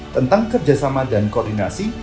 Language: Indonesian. tentang kerjasama dan koordinasi